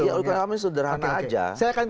ya logika awalnya sederhana aja